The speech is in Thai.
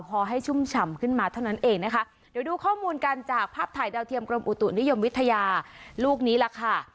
พอให้ชุ่มฉ่ำขึ้นมาเท่านั้นเองนะคะเดี๋ยวดูข้อมูลกันจากภาพถ่ายดาวเทียมกรมอุตุนิยมวิทยาลูกนี้ล่ะค่ะ